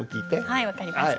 はい分かりました。